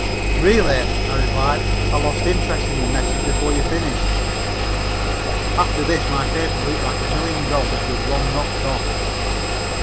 "Really," I replied, "I lost interest in your message before you finished." After this my paper looked like a million dollars with the one knocked off.